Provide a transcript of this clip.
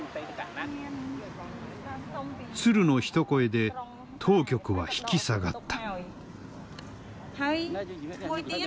鶴の一声で当局は引き下がった。